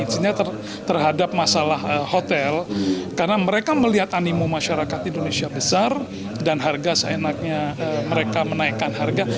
itsnya terhadap masalah hotel karena mereka melihat animo masyarakat indonesia besar dan harga seenaknya mereka menaikkan harga